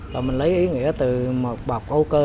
mà mình lấy ý nghĩa từ một bọc ô cơ